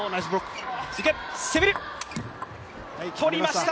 取りました！